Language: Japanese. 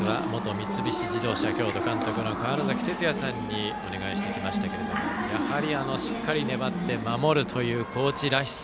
三菱自動車京都監督の川原崎哲也さんにお願いしてきましたがやはりしっかりと粘って守るという高知らしさ。